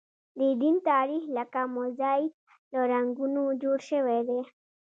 د دین تاریخ لکه موزاییک له رنګونو جوړ شوی دی.